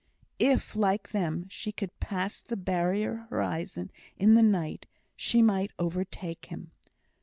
If, like them, she could pass the barrier horizon in the night, she might overtake him.